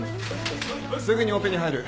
すぐにオペに入る。